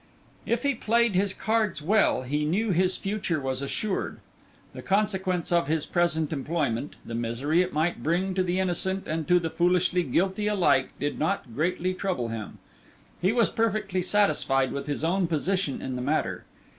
If he played his cards well he knew his future was assured. The consequence of his present employment, the misery it might bring to the innocent and to the foolishly guilty alike, did not greatly trouble him; he was perfectly satisfied with his own position in the matter.